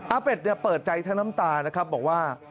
เป็ดเปิดใจทั้งน้ำตานะครับบอกว่า